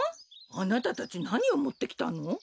あなたたちなにをもってきたの？